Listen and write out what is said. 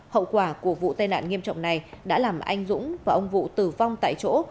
hậu quả của vụ tai nạn nghiêm trọng này đã làm anh dũng và ông vụ tử vong tại chỗ